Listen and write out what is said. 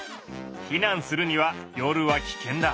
避難するには夜は危険だ。